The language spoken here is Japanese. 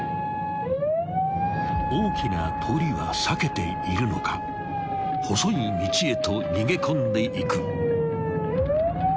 ［大きな通りは避けているのか細い道へと逃げ込んでいく］